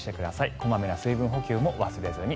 小まめな水分補給も忘れずに。